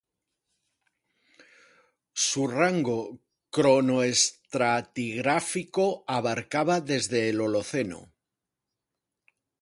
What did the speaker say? Su rango cronoestratigráfico abarcaba desde el Holoceno.